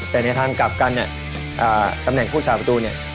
แต่ในทางกลับกันเนี่ยตำแหน่งผู้สาประตูเนี่ย